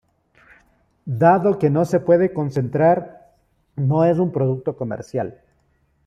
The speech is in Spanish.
Dado que no se puede concentrar, no es un producto comercial.